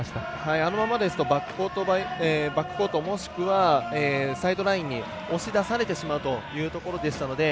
あのままですとバックコートもしくは、サイドラインに押し出されてしまうというところでしたので。